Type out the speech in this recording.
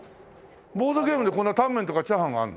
ボードゲームでこんなタンメンとかチャーハンがあるの？